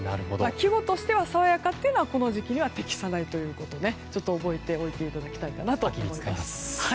季語としては爽やかというのはこの時期には適さないということをちょっと覚えておいていただきたいかなと思います。